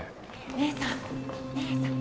姉さん姉さん。